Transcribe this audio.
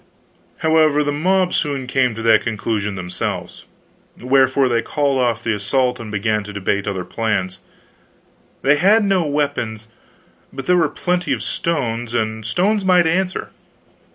However, the mob soon came to that conclusion themselves; wherefore they called off the assault and began to debate other plans. They had no weapons, but there were plenty of stones, and stones might answer.